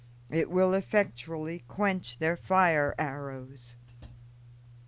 It will effectually quench their fire arrows."